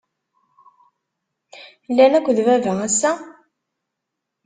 Llan akked baba ass-a?